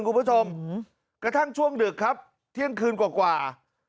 กระทั่งช่วงดึกครับเที่ยงคืนกว่า